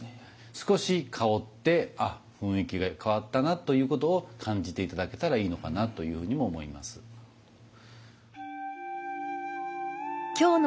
少し香ってあ雰囲気が変わったなということを感じて頂けたらいいのかなというふうにも思います。